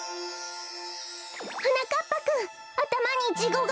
はなかっぱくんあたまにイチゴが！